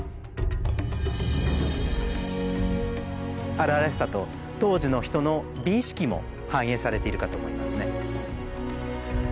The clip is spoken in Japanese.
荒々しさと当時の人の美意識も反映されているかと思いますね。